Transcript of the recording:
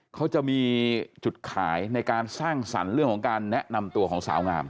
เขาจะมีจุดขายในการสร้างสรรค์เรื่องของการแนะนำตัวของสาวงาม